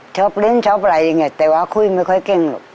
ชอบเล่นชอบอะไรอย่างนี้แต่ว่าคุยไม่ค่อยเก่งหรอก